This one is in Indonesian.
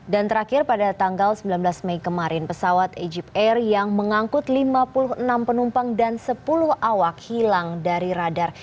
terakhir pada tanggal sembilan belas mei kemarin pesawat egypt air yang mengangkut lima puluh enam penumpang dan sepuluh awak hilang dari radar